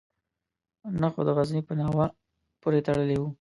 نه خو د غزني په ناوه پورې تړلی وو.